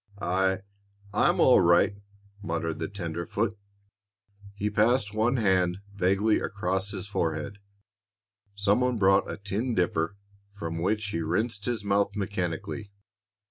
"I I'm all right," muttered the tenderfoot. He passed one hand vaguely across his forehead. Some one brought a tin dipper, from which he rinsed his mouth mechanically.